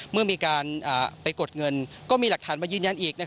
เมื่อมีการไปกดเงินก็มีหลักฐานมายืนยันอีก